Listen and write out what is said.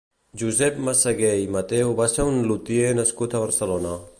Joseph Massaguer i Matheu va ser un lutier nascut a Barcelona.